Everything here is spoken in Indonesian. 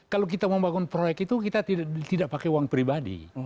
kalau kita membangun proyek itu kita tidak pakai uang pribadi